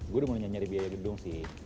gue udah mau nyari biaya gedung sih